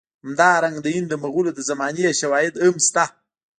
همدارنګه د هند د مغولو د زمانې شواهد هم شته.